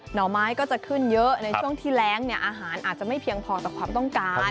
่อไม้ก็จะขึ้นเยอะในช่วงที่แรงเนี่ยอาหารอาจจะไม่เพียงพอต่อความต้องการ